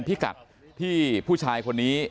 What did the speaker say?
พิกัดที่ผู้ชายคนนี้